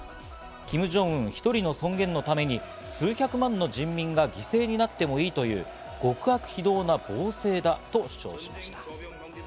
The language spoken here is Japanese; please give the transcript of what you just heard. キム・ジョンウン１人の尊厳のために数百万の人民が犠牲になってもいいという極悪非道な暴政だと主張しました。